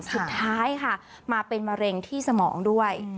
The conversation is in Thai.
สุดท้ายค่ะมาเป็นมะเร็งที่สมองด้วย